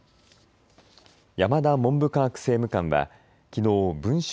山田文部科学政務官はきのう文春